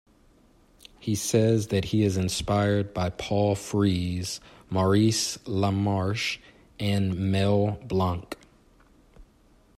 He says that he is inspired by Paul Frees, Maurice LaMarche, and Mel Blanc.